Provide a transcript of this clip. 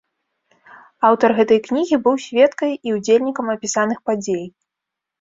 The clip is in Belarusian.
Аўтар гэтай кнігі быў сведкай і ўдзельнікам апісаных падзей.